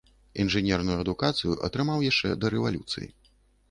Інжынерную адукацыю атрымаў яшчэ да рэвалюцыі.